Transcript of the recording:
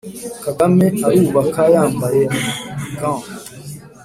Kagame arubaka yambaye gants.